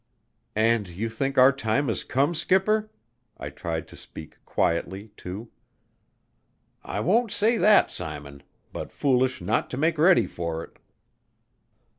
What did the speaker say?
"And you think our time is come, skipper?" I tried to speak quietly, too. "I won't say that, Simon, but foolish not to make ready for it."